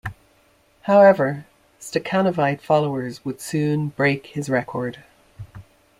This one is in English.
However, Stakhanovite followers would soon "break" his record.